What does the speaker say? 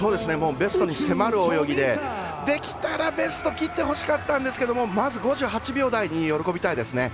ベストに迫る泳ぎでできたら、ベストを切ってほしかったんですけどもまず５８秒台に喜びたいですね。